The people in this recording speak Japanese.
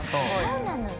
そうなのよ。